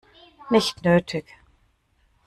Nicht nötig.